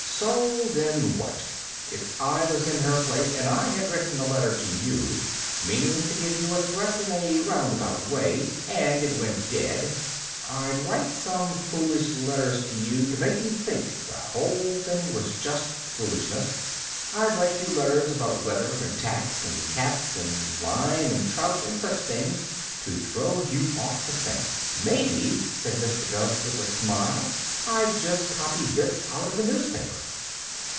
"So, then what? If I was in her place and I had written a letter to you, meaning to give you a threat in a roundabout way, and it went dead, I'd write some foolish letters to you to make you think the whole thing was just foolishness. I'd write you letters about weather and tacks and cats and lime and trout, and such things, to throw you off the scent. Maybe," said Mr. Gubb, with a smile, "I'd just copy bits out of a newspaper."